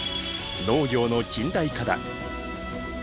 農業の近代化だ。